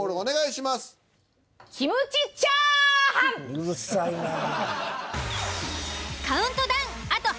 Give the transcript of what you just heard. うるさいなぁ。